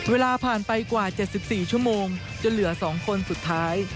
เวลาผ่านไปกว่า๗๔ชั่วโมงจนเหลือ๒คนสุดท้าย